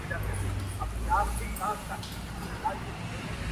ځكه مي دعا ـدعا ـدعا په غېږ كي ايښې ده ـ